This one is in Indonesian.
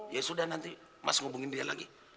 ya sudah nanti mas hubungin dia lagi